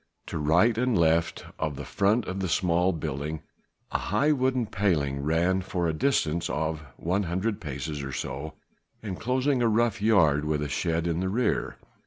To right and left of the front of the small building a high wooden paling ran for a distance of an hundred paces or so enclosing a rough yard with a shed in the rear.